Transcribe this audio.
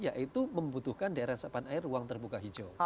yaitu membutuhkan daerah resapan air ruang terbuka hijau